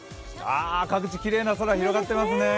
各地きれいな空、広がっていますね